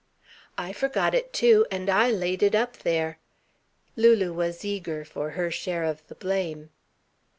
"I forgot it too! And I laid it up there." Lulu was eager for her share of the blame.